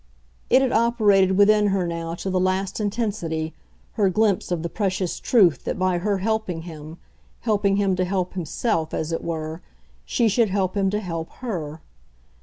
It had operated within her now to the last intensity, her glimpse of the precious truth that by her helping him, helping him to help himself, as it were, she should help him to help HER.